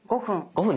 ５分。